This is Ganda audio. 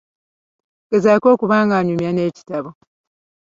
Gezaako okuba ng'anyumya n'ekitabo.